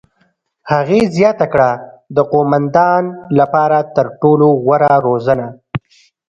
هغې زیاته کړه: "د قوماندان لپاره تر ټولو غوره روزنه.